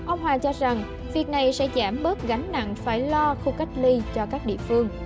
ông hoàng cho rằng việc này sẽ giảm bớt gánh nặng phải lo khu cách ly cho các địa phương